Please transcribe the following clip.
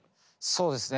そうですね。